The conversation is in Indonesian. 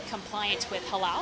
sempurna dengan halal